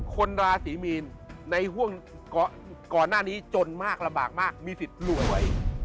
ราศีมีนในห่วงก่อนหน้านี้จนมากลำบากมากมีสิทธิ์รวย